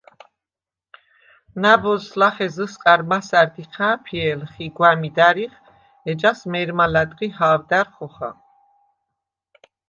ნა̈ბოზს ლახე ზჷსყა̈რ მასა̈რდ იჴა̄̈ფიე̄ლხ ი გვა̈მიდ ა̈რიხ, ეჯას მე̄რმა ლა̈დღი ჰა̄ვდა̈რ ხოხა.